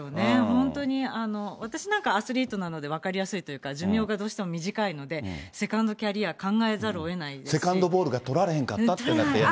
本当に、私なんか、アスリートなので分かりやすいというか、寿命がどうしても短いので、セカンドキャリア考えざるをえないでセカンドボールが取られへんあーっ、届かないっていう。